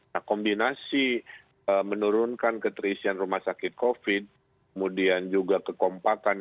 nah kombinasi menurunkan keterisian rumah sakit covid kemudian juga kekompakan